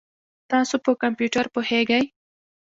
تاسو په کمپیوټر پوهیږئ؟